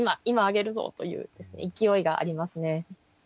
今揚げるぞという勢いがありますね。